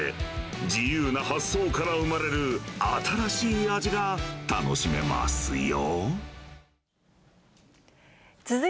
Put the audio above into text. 自由な発想から生まれる、新しい味が楽しめますよ。